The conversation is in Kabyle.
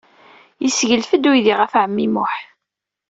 Yesseglef-d uydi ɣef ɛemmi Muḥ.